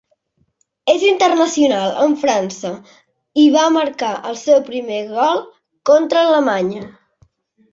És internacional amb França i va marcar el seu primer gol contra Alemanya.